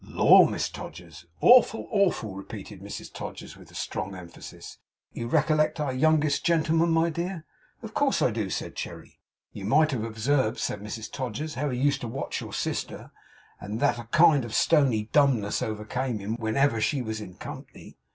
'Lor, Mrs Todgers!' 'Awful, awful!' repeated Mrs Todgers, with strong emphasis. 'You recollect our youngest gentleman, my dear?' 'Of course I do,' said Cherry. 'You might have observed,' said Mrs Todgers, 'how he used to watch your sister; and that a kind of stony dumbness came over him whenever she was in company?